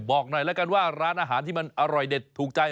บอกหน่อยแล้วกันว่าร้านอาหารที่มันอร่อยเด็ดถูกใจ